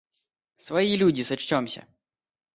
Свои люди сочтёмся!